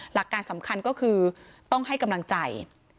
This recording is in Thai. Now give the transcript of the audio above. หลักการสำคัญก็คือต้องให้กำลังใจ